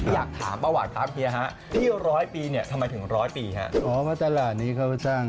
อยากถามประหว่างครับพี่นะฮะที่๑๐๐ปีเนี่ยทำไมถึงร้อยปีฮะออกมาตลาดนี้เขาสร้าง